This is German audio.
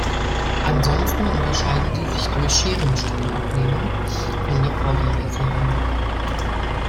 Ansonsten unterscheiden sie sich durch Scherenstromabnehmer von der Vorgängerserie.